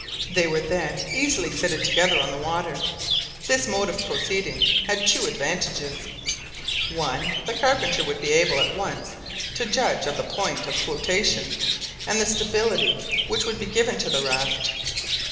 They were then easily fitted together on the water. This mode of proceeding had two advantages:— 1. The carpenter would be able at once to judge of the point of flotation, and the stability which should be given to the raft.